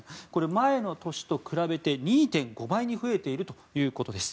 前の年と比べて２．５倍に増えているということです。